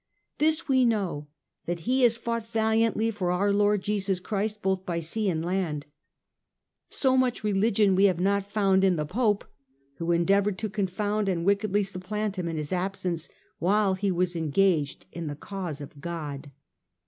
This we know, that he has fought valiantly for our Lord Jesus Christ both by sea and land. So much religion we have not found in the Pope, who endeavoured to confound and wickedly supplant him in his absence, while he was engaged in the cause of God.